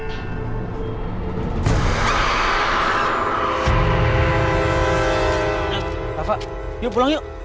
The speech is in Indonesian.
eh papa yuk pulang yuk